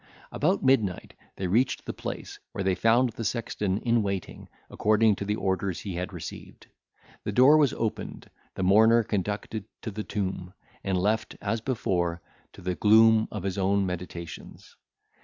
About midnight, they reached the place, where they found the sexton in waiting, according to the orders he had received. The door was opened, the mourner conducted to the tomb, and left, as before, to the gloom of his own meditations.